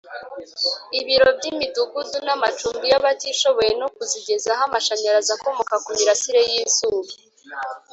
ibiro by imidugudu n amacumbi y abatishoboye no kuzigezaho amashanyarazi akomoka ku mirasire y izuba